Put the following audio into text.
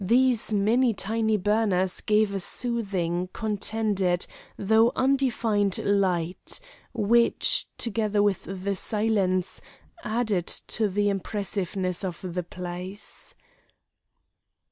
These many tiny burners gave a soothing, contented, though undefined light, which, together with the silence, added to the impressiveness of the place.